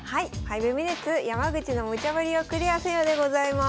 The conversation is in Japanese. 「５ｍｉｎｕｔｅｓ山口のムチャぶりをクリアせよ」でございます。